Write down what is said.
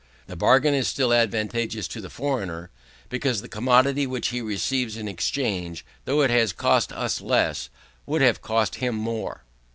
The bargain is still advantageous to the foreigner, because the commodity which he receives in exchange, though it has cost us less, would have cost him more.